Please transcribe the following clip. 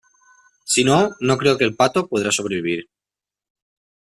si no, no creo que el pato pueda sobrevivir